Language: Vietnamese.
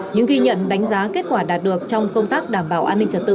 những ghi nhận đánh giá kết quả đạt được trong công tác đảm bảo an ninh trật tự